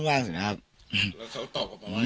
ลงมาลงมาลงมา